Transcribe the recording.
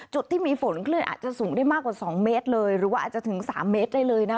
จุดที่มีฝนคลื่นอาจจะสูงได้มากกว่า๒เมตรเลยหรือว่าอาจจะถึง๓เมตรได้เลยนะ